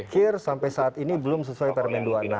akhir sampai saat ini belum sesuai permen dua puluh enam